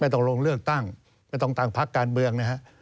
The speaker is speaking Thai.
ต้องลงเลือกตั้งไม่ต้องตั้งพักการเมืองนะฮะ